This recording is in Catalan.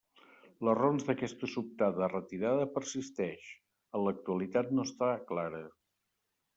Les raons d'aquesta sobtada retirada persisteix, en l'actualitat no està clara.